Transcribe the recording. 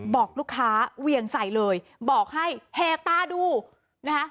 บอกลูกค้าเวียงใส่เลยบอกให้แห่ตาดูนะคะ